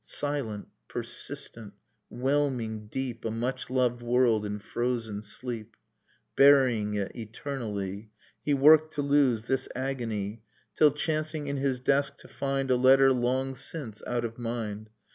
Silent, persistent: whelming deep A much loved world in frozen sleep. Burying it, eternally ... He worked, to lose this agony ... Till, chancing, in his desk, to find A letter long since out of mind.